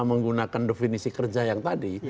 menggunakan definisi kerja yang tadi